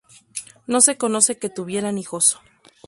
No se conoce que tuvieran hijos.